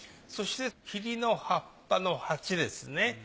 そして桐の葉っぱの鉢ですね。